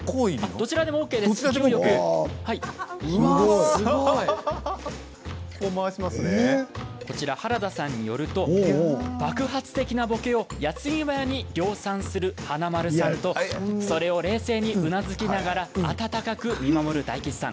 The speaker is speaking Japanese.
すごい！原田さんによると爆発的なぼけをやつぎばやに量産する華丸さんとそれを冷静にうなずきながら温かく見守る大吉さん。